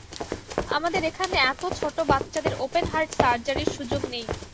আমাদের এখানে এত ছোট বাচ্চাদের ওপেন হার্ট সাজারির সুযোগ নেই।